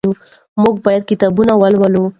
موږ باید کتابونه ولولو.